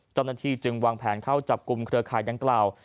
เจ้าหน้าที่จึงวางแผนเข้าจับกลุ่มเครือข่ายดังกล่าว